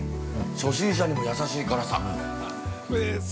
初心者にも優しい辛さ。